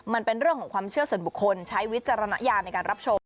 มันเป็นเรื่องของความเชื่อส่วนบุคคลใช้วิจารณญาณในการรับชม